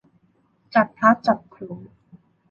จับพลัดจับผลู